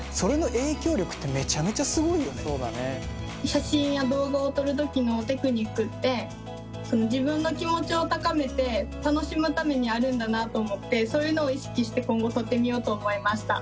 写真や動画を撮る時のテクニックって自分の気持ちを高めて楽しむためにあるんだなと思ってそういうのを意識して今後撮ってみようと思いました。